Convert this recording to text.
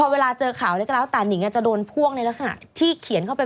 พอเวลาเจอข่าวแล้วก็แล้วต่างหญิงจะโดนพ่วงในลักษณะที่เขียนเข้าไป